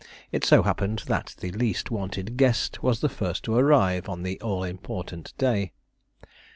It so happened that the least wanted guest was the first to arrive on the all important day.